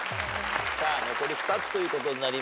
さあ残り２つということになりましたね。